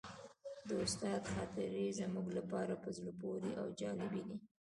د استاد خاطرې زموږ لپاره په زړه پورې او جالبې دي.